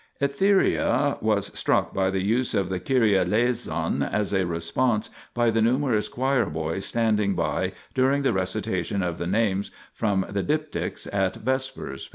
Etheria was struck by the use of the Kyrie eleison as a response by the numerous choir boys standing by during the recitation of the names from the diptychs at vespers (p.